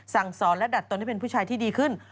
สั่งสอนและดัดตนให้เป็นผู้ชายที่ดีขึ้น